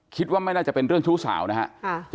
คิดว่าไม่น่าจะเป็นเรื่องชู้สาวนะครับ